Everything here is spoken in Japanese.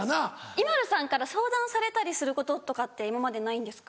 ＩＭＡＬＵさんから相談されたりすることとか今までないんですか？